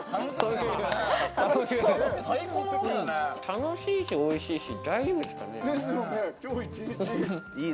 楽しいし、おいしいし、大丈夫ですかね？